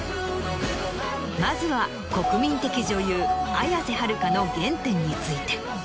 まずは国民的女優綾瀬はるかの原点について。